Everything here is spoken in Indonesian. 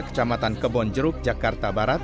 kecamatan kebonjeruk jakarta barat